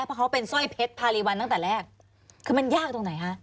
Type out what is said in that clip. เพราะเขาเป็นสร้อยเพชรพารีวัลตั้งแต่แรกคือมันยากตรงไหนคะ